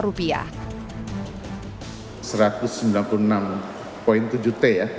satu ratus sembilan puluh enam tujuh t ya